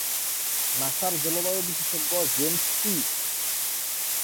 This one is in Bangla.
নাসার জলবায়ু বিশেষজ্ঞ জেমস ই।